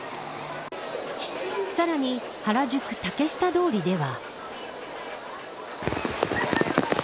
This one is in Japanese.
さらに、原宿竹下通りでは。